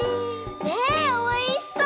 ねえおいしそう！